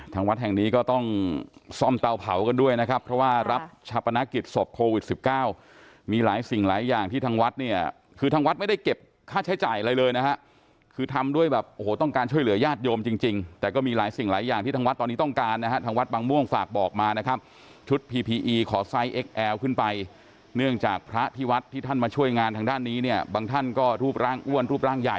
ทางวัดแห่งนี้ก็ต้องซ่อมเตาเผากันด้วยนะครับเพราะว่ารับชะปนักกิจศพโควิด๑๙มีหลายสิ่งหลายอย่างที่ทางวัดเนี่ยคือทางวัดไม่ได้เก็บค่าใช้จ่ายอะไรเลยนะฮะคือทำด้วยแบบโอ้โหต้องการช่วยเหลือญาติโยมจริงแต่ก็มีหลายสิ่งหลายอย่างที่ทางวัดตอนนี้ต้องการนะฮะทางวัดบางม่วงฝากบอกมานะครับชุด